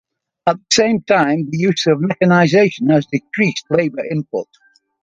At the same time, the use of mechanization has decreased labor input.